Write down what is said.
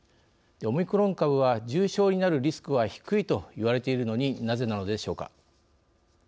オミクロン株は重症になるリスクは低いと言われているのになぜなのでしょうか。